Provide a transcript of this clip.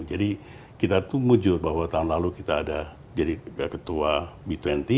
jadi kita itu mujur bahwa tahun lalu kita ada jadi ketua b dua puluh